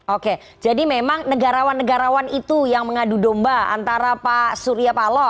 oke jadi memang negarawan negarawan itu yang mengadu domba antara pak surya paloh